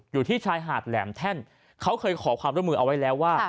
อยู่ที่ชายหาดแหลมแท่นเขาเคยขอความร่วมมือเอาไว้แล้วว่า